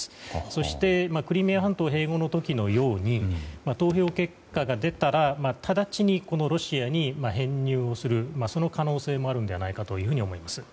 そしてクリミア半島併合の時のように投票結果が出たら直ちにロシアに編入をする可能性もあるのではないかと思います。